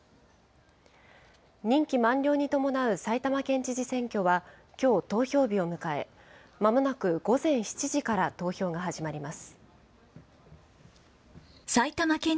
任期満了に伴う埼玉県知事選挙は、きょう投票日を迎え、まもなく午前７時から投票が始まります。